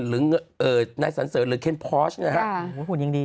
หรือนายสันเสิร์นหรือเคนพอร์ชเนี่ยฮะอ๋อหุ่นยิ่งดี